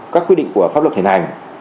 các quy định của pháp luật thiền hành